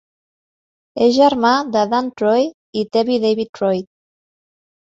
És germà de Dan Troy i Tevi David Troy.